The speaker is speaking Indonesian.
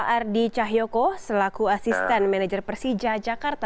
ardi cahyoko selaku asisten manajer persija jakarta